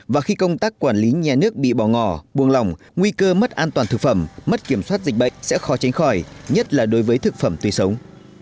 và khi công tác quản lý nhà nước bị bỏ ngỏ buông lỏng nguy cơ mất an toàn thực phẩm mất kiểm soát dịch bệnh sẽ khó tránh khỏi nhất là đối với thực phẩm tùy sống